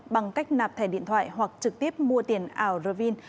bằng cách nạp thẻ điện thoại hoặc trực tiếp mua tiền ảo rơ vin